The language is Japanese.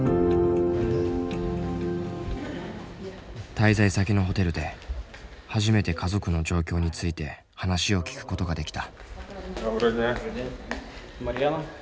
滞在先のホテルで初めて家族の状況について話を聞くことができた。